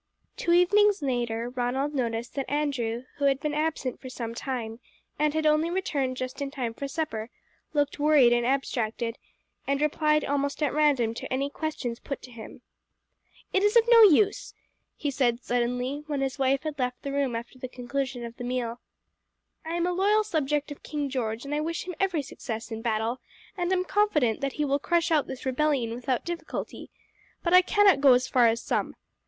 Two evenings later Ronald noticed that Andrew, who had been absent for some time, and had only returned just in time for supper, looked worried and abstracted, and replied almost at random to any questions put to him. "It is of no use," he said suddenly when his wife had left the room after the conclusion of the meal. "I am a loyal subject of King George, and I wish him every success in battle, and am confident that he will crush out this rebellion without difficulty, but I cannot go as far as some.